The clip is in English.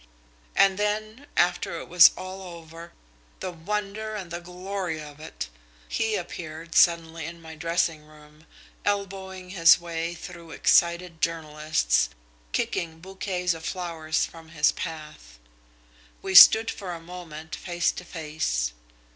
And then, after it was all over, the wonder and the glory of it, he appeared suddenly in my dressing room, elbowing his way through excited journalists, kicking bouquets of flowers from his path. We stood for a moment face to face.